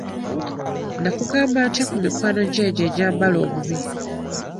Nakugamba ntya ku mikwano gyo egyo egyambala obubi?